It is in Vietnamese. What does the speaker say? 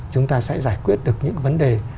chúng ta sẽ giải quyết được những vấn đề